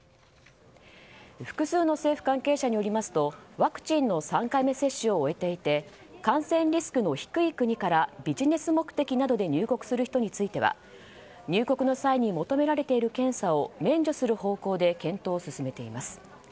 複数の政府関係者によりますとワクチンの３回目接種を終えていて感染リスクの低い国からビジネス目的などで入国する人については入国の際に求められている検査を免除する方向で検討を進めています。